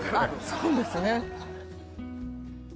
そうですね